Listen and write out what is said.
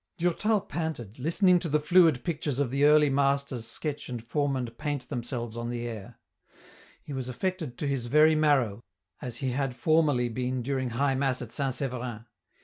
Durtal panted, hstening to the fluid pictures of the Early Masters sketch and form and paint themselves on the air ; he was affected to his very marrow, as he had formerly been during High Mass at St. Severin.